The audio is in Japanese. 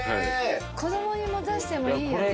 子供に持たしてもいいよね。